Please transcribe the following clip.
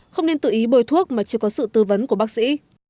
không nên tự ý bôi thuốc mà chưa có sự tư vấn của bác sĩ